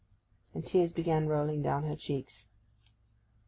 And tears began rolling down her cheeks.